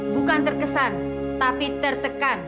bukan terkesan tapi tertekan